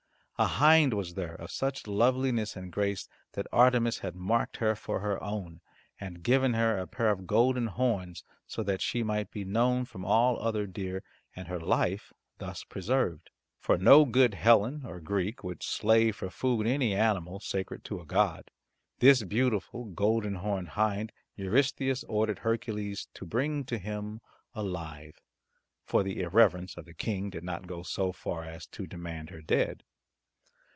A hind was there of such loveliness and grace that Artemis had marked her for her own, and given her a pair of golden horns so that she might be known from all other deer and her life thus preserved. For no good Hellen, or Greek, would slay for food any animal sacred to a god. This beautiful golden horned hind Eurystheus ordered Hercules to bring to him alive, for the irreverence of the King did not go so far as to demand her dead.